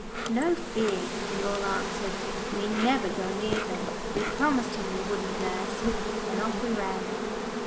"No fear," we all answered, "we never go near them. We promised him we wouldn't, nurse." Then off we ran.